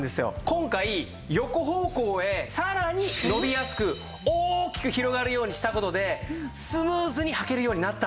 今回横方向へさらに伸びやすく大きく広がるようにした事でスムーズにはけるようになったんです。